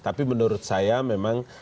tapi menurut saya memang